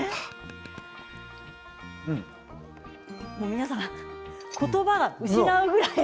皆さん言葉を失うぐらい。